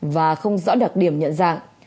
và không rõ đặc điểm nhận dạng